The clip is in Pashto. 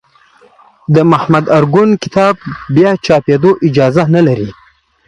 د محمد ارکون کتاب بیا چاپېدا اجازه نه لري.